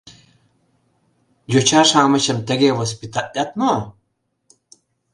— Йоча-шамычым тыге воспитатлат мо?..